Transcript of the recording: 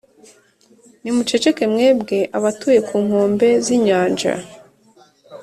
Nimuceceke, mwebwe abatuye ku nkombe z’inyanja,